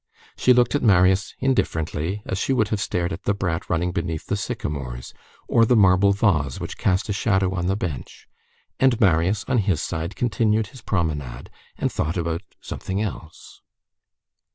She looked at Marius indifferently, as she would have stared at the brat running beneath the sycamores, or the marble vase which cast a shadow on the bench, and Marius, on his side, continued his promenade, and thought about something else.